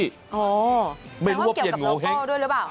อ๋อแสดงว่าเกี่ยวกับโลโก้ด้วยหรือเปล่า